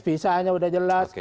visanya sudah jelas